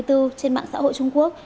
trên mạng xã hội trung quốc